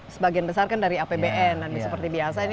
sebagian besar kan dari apbn